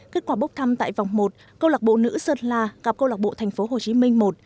kết quả bốc thăm tại vòng một câu lạc bộ nữ sơn la gặp câu lạc bộ tp hcm một